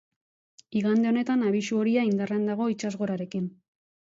Igande honetan abisu horia indarrean dago itsasgorarekin.